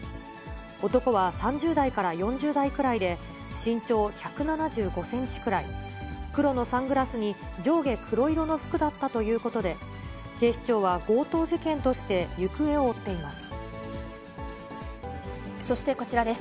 男は３０代から４０代くらいで、身長１７５センチくらい、黒のサングラスに上下黒色の服だったということで、警視庁は強盗事件として行方を追っています。